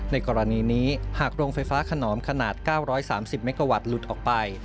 ในกรณีนี้หากโรงไฟฟ้าขนอมขนาด๙๓๐เมกาวัตต์หลุดออกไป